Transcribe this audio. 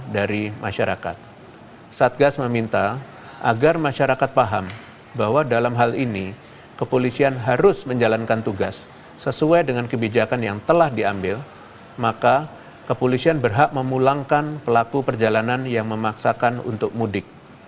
jika kita paham bahwa dalam hal ini kepolisian harus menjalankan tugas sesuai dengan kebijakan yang telah diambil maka kepolisian berhak memulangkan pelaku perjalanan yang memaksakan untuk mudik